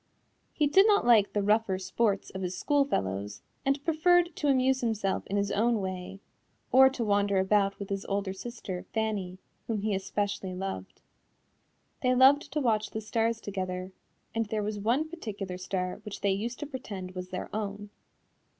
He did not like the rougher sports of his school fellows and preferred to amuse himself in his own way, or to wander about with his older sister, Fanny, whom he especially loved. They loved to watch the stars together, and there was one particular star which they used to pretend was their own.